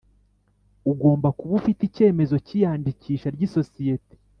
Ugomba kuba ufite icyemezo cy’ iyandikisha ry isosiyete